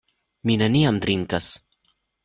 Mi neniam drinkas.